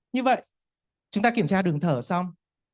như vậy chúng ta kiểm tra đường thở xong